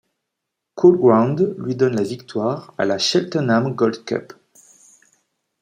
Cool Ground lui donne la victoire à la Cheltenham Gold Cup.